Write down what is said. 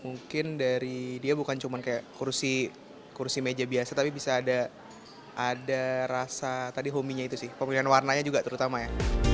mungkin dari dia bukan cuma kayak kursi meja biasa tapi bisa ada rasa tadi homi nya itu sih pemilihan warnanya juga terutama ya